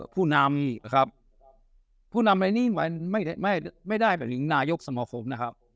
ผู้นำครับผู้นำอะไรนี่ไม่ได้ไม่ได้ไม่ได้แบบยังนายกสมภพนะครับ